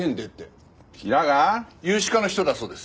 融資課の人だそうです。